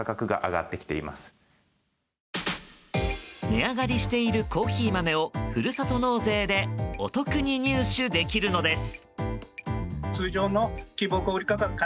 値上がりしているコーヒー豆をふるさと納税でお得に入手できるのです。